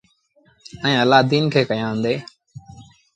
ائيٚݩ الآدين کي ڪيآندي۔